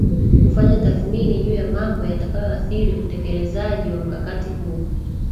Kufanya tathmini juu ya mambo yatakayoathiri utekelezaji wa mkakati huo